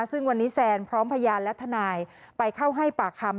ซึ่งวันนี้แซนพร้อมพยานและทนายไปเข้าให้ปากคำ